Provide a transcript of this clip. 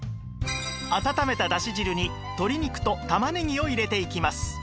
温めただし汁に鶏肉と玉ねぎを入れていきます